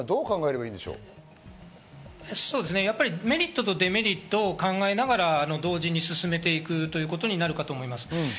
メリットとデメリットを考えながら同時に進めていくということになるかと思います。